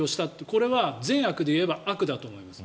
これは善悪でいえば悪だと思います。